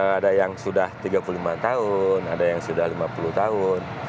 ada yang sudah tiga puluh lima tahun ada yang sudah lima puluh tahun